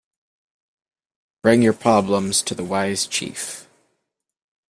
Bring your problems to the wise chief.